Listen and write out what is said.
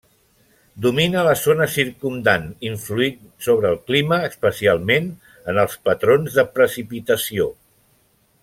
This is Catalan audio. Domina la zona circumdant, influint sobre el clima, especialment en els patrons de precipitació.